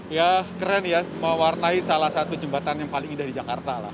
ya keren ya mewarnai salah satu jembatan yang paling indah di jakarta lah